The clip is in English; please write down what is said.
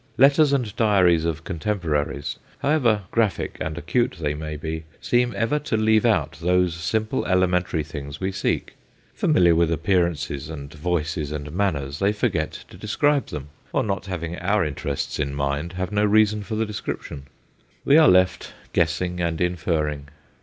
Letters and diaries of contemporaries, however graphic and acute they may be, seem ever to leave out those simple, elementary things we seek. Familiar with appearances, and voices, and manners, they forget to describe them, or not having our interests in mind have no reason for the description. We are left guessing and inferring.